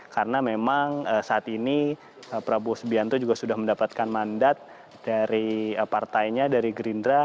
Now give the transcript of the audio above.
karena memang saat ini prabowo subianto juga sudah mendapatkan mandat dari partainya dari gerindra